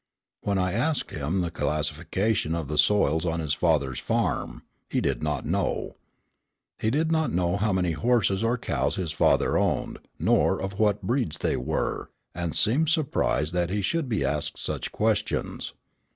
When I asked him the classification of the soils on his father's farm, he did not know. He did not know how many horses or cows his father owned nor of what breeds they were, and seemed surprised that he should be asked such questions.